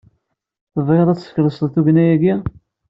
Tebɣiḍ ad teskelseḍ tugna-agi?